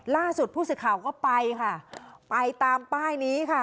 ล่าสุดผู้สื่อข่าวก็ไปค่ะไปตามป้ายนี้ค่ะ